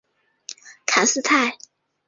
卡斯泰。